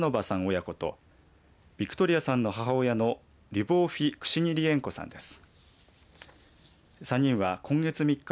親子とビクトリアさんの母親のリューボフィ・クシニリエンコ稿さんです。